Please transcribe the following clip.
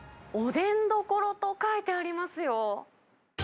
おでん処と書いてありますよ。